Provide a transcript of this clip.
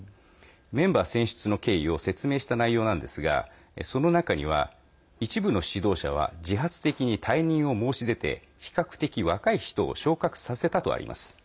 メンバー選出の経緯を説明した内容なんですがその中には、一部の指導者は自発的に退任を申し出て比較的若い人を昇格させたとあります。